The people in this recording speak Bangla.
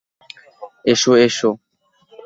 এসো, এসো!